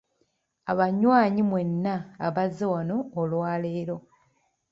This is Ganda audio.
Abanywanyi mwenna abazze wano olwa leero.